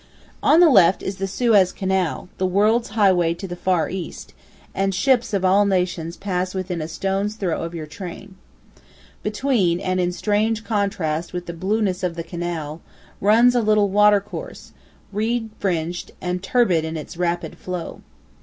On the left is the Suez Canal, the world's highway to the Far East, and ships of all nations pass within a stone's throw of your train. Between, and in strange contrast with the blueness of the canal, runs a little watercourse, reed fringed, and turbid in its rapid flow.